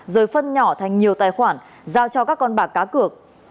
rồi phân nhỏ thành nhiều tài khoản giao cho các con bạc cá cược